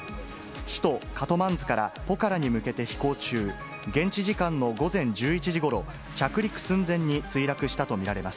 首都カトマンズからポカラに向けて飛行中、現地時間の午前１１時ごろ、着陸寸前に墜落したと見られます。